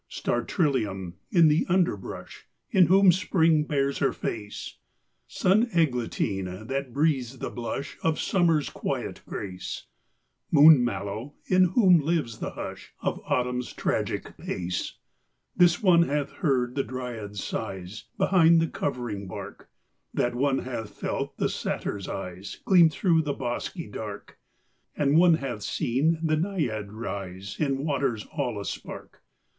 Star trillium, in the underbrush, In whom Spring bares her face; Sun eglantine, that breathes the blush Of Summer's quiet grace; Moon mallow, in whom lives the hush Of Autumn's tragic pace. This one hath heard the dryad's sighs Behind the covering bark; That one hath felt the satyr's eyes Gleam through the bosky dark; And one hath seen the Naiad rise In waters all a spark.